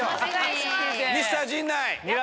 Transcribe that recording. ミスター陣内！